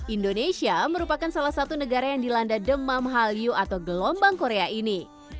indonesia merupakan salah satu negara yang dilanda demam hallyu atau gelombang korea ini